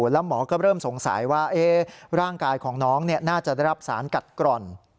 แล้วหมอก็เริ่มสงสัยว่าร่างกายของน้องน่าจะได้รับสารกัดกร่อน